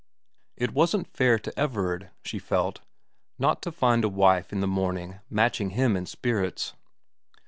It wasn't fair to Everard, she felt, not to find a wife in the morning matching him in spirits.